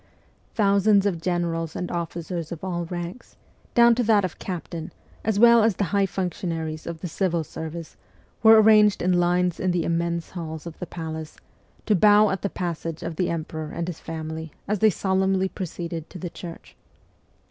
Thousands of generals and officers of all ranks, down to that of captain, as well as the high functionaries of the civil service, were arranged in lines in the immense halls of the palace, to bow at the passage of the emperor and his family, as they solemnly proceeded to the church.